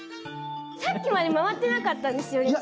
さっきまで回ってなかったんですよ。